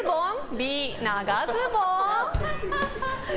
Ｂ、長ズボン？